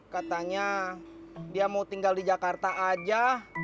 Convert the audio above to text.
katanya dia mau tinggal di jakarta aja